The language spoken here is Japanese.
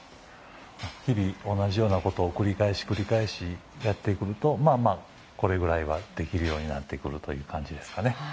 日々、同じようなことを繰り返し、繰り返しやってくるとこれぐらいはできるようになってくるという感じですかね。